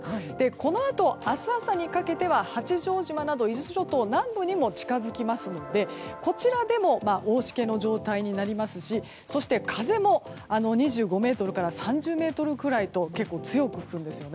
このあと明日朝にかけては八丈島など伊豆諸島南部にも近づきますので、こちらでも大しけの状態になりますしそして、風も２５メートルから３０メートルくらいと結構、強く吹くんです。